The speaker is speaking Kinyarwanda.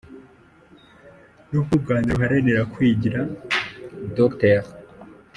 Nubwo u Rwanda ruharanira kwigira, Dr.